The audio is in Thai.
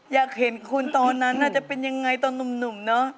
อยากเห็นคุณตอนนั้นจะเป็นยังไงตอนหนุ่มเนอะ